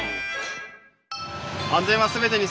安全は全てに。